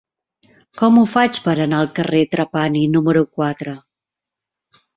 Com ho faig per anar al carrer de Trapani número quatre?